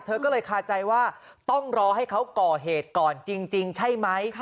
เธอก็เลยคาใจว่าต้องรอให้เขาก่อเหตุก่อนจริงใช่ไหม